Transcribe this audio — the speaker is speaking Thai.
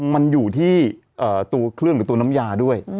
มันอยู่ที่ตัวเครื่องหรือตัวน้ำยาด้วย